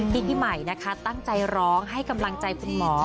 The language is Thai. พี่ใหม่นะคะตั้งใจร้องให้กำลังใจคุณหมอ